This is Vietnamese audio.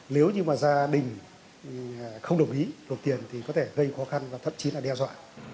nếu như mà gia đình không đồng ý nộp tiền thì có thể gây khó khăn và thậm chí là đe dọa